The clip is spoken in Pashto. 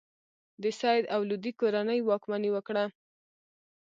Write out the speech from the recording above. د سید او لودي کورنۍ واکمني وکړه.